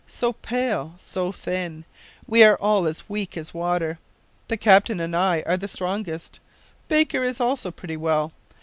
so pale, so thin! We are all as weak as water. The captain and I are the strongest. Baker is also pretty well.